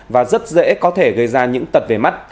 và rất dễ có thể gây ra những tật về mắt